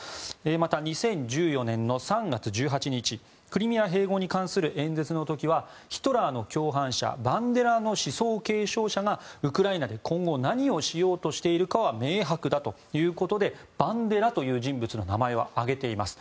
また２０１４年３月１８日クリミア併合に関する演説についてはヒトラーの共犯者バンデラの思想継承者がウクライナで今後何をしようとしているかは明白だということでバンデラという人物の名前を挙げています。